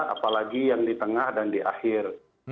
apalagi yang di tengah dan di akhir